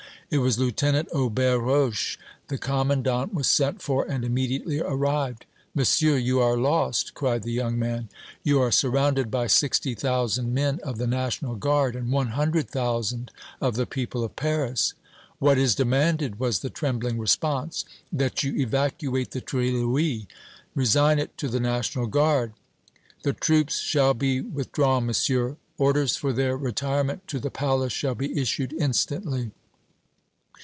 It was Lieutenant Aubert Roche. The commandant was sent for and immediately arrived. "Monsieur, you are lost!" cried the young man. "You are surrounded by sixty thousand men of the National Guard, and one hundred thousand of the people of Paris!" "What is demanded?" was the trembling response. "That you evacuate the Tuileries! resign it to the National Guard!" "The troops shall be withdrawn, Monsieur. Orders for their retirement to the palace shall be issued instantly."